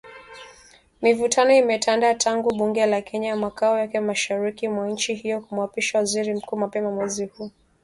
Mivutano imetanda tangu bunge lenye makao yake mashariki mwa nchi hiyo kumwapisha Waziri Mkuu mapema mwezi huu.